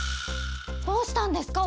どうしたんですか？